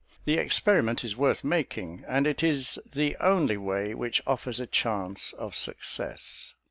The experiment is worth making, and it is the only way which offers a chance of success."